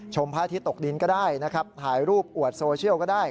พระอาทิตย์ตกดินก็ได้นะครับถ่ายรูปอวดโซเชียลก็ได้